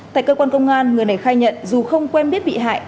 tại cơ quan công an người này khai nhận dù không quen biết bị hại